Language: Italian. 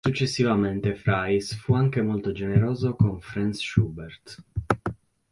Successivamente Fries fu anche molto generoso con Franz Schubert.